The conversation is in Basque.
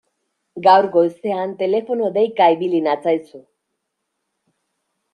Gaur goizean telefono deika ibili natzaizu.